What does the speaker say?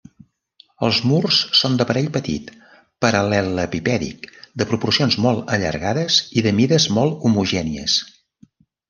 Els murs són d'aparell petit, paral·lelepipèdic, de proporcions molt allargades i de mides molt homogènies.